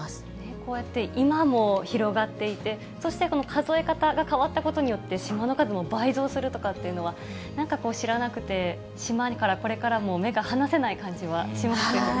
こうやって今も広がっていて、そして数え方が変わったことによって、島の数も倍増するとかっていうのは、なんかこう、知らなくて、島から、これからも目が離せない感じはしますよね。